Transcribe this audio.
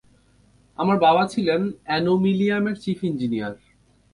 আমার বাবা ছিলেন অ্যানোমিলিয়ামের চিফ ইঞ্জিনিয়ার।